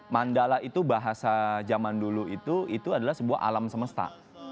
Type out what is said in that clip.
mandala itu bahasa zaman dulu itu adalah sebuah alam semesta